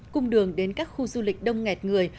cung đường đến các khu du lịch đông nghẹt người